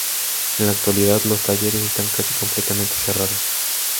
En la actualidad, los talleres están casi completamente cerrados.